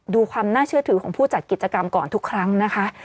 ดูความน่าเชื่อถือของผู้จัดกิจกรรมก่อนทุกครั้งนะคะ